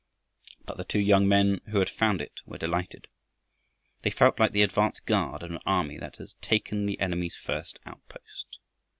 But the two young men who had found it were delighted. They felt like the advance guard of an army that has taken the enemy's first outpost.